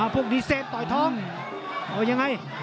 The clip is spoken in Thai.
พวกนี้แซนต่อยทอง